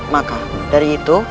maka dari itu